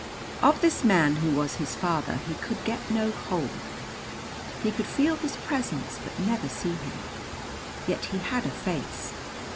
Of this man who was his father he could get no hold. He could feel his presence, but never see him. Yet he had a face.